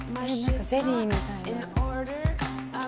ゼリーみたいな。